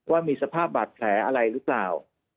ว่ามีสภาพบาดแผลอะไรหรือเปล่า